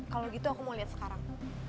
kalau gitu aku mau lihat sekarang